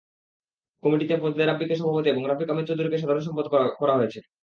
কমিটিতে ফজলে রাব্বীকে সভাপতি এবং রফিক আহমদ চৌধুরীকে সাধারণ সম্পাদক করা হয়েছে।